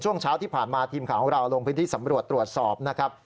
ช่วงเช้าที่ผ่านมาทีมข่าวของเราลงพื้นที่สำรวจตรวจสอบนะครับ